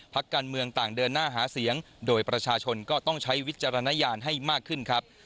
พักการเมืองต่างเดินหน้าหาเสียงโดยประชาชนก็ต้องใช้วิจารณญาณให้มากขึ้นครับ